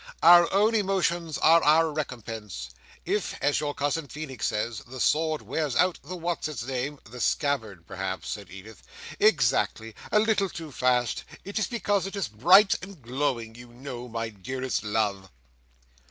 Our own emotions are our recompense. If, as your cousin Feenix says, the sword wears out the what's its name—" "The scabbard, perhaps," said Edith. "Exactly—a little too fast, it is because it is bright and glowing, you know, my dearest love."